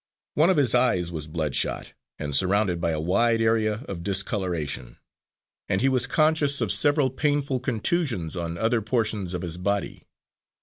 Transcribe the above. One of his eyes was bloodshot, and surrounded by a wide area of discolouration, and he was conscious of several painful contusions on other portions of his body.